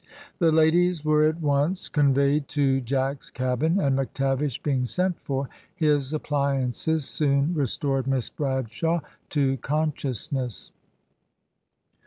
The ladies were at once conveyed to Jack's cabin, and McTavish being sent for, his appliances soon restored Miss Bradshaw to consciousness.